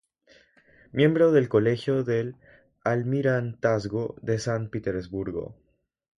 Miembro del Colegio del Almirantazgo de San Petersburgo.